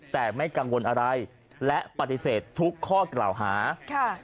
แต่ไม่กังวลอะไรและปฏิเสธทุกข้อกล่าวหาค่ะ